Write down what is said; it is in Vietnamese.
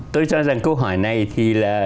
tôi cho rằng câu hỏi này thì là